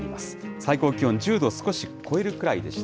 最高気温１０度少し超えるくらいでした。